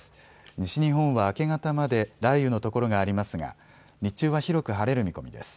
西日本は明け方まで雷雨の所がありますが日中は広く晴れる見込みです。